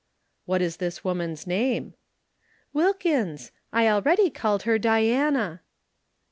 "What is this woman's name?" "Wilkins I already called her Diana."